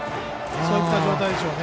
そういった状態でしょうね。